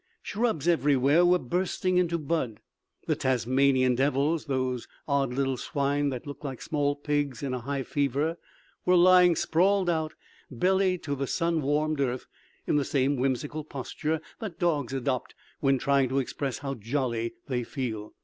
Shrubs everywhere were bursting into bud. The Tasmanian devils those odd little swine that look like small pigs in a high fever, were lying sprawled out, belly to the sun warmed earth, in the same whimsical posture that dogs adopt when trying to express how jolly they feel.